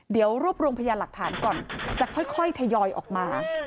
เดี๋ยวรวบรวมพยานหลักฐานก่อนจะค่อยทยอยออกมา